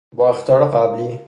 با اخطار قبلی